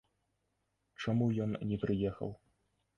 Чаму ён не прыехаў?